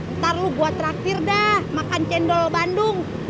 ntar lu gua traktir dah makan cendol bandung